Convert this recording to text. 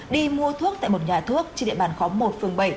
đi mua thuốc tại một nhà thuốc trên địa bàn khóm một phường bảy